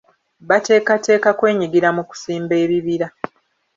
Bateekateeka kwenyigira mu kusimba ebibira.